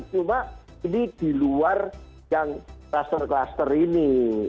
cuma ini di luar yang cluster cluster ini